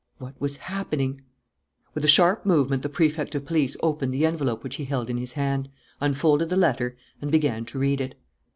What was happening? With a sharp movement the Prefect of Police opened the envelope which he held in his hand, unfolded the letter and began to read it.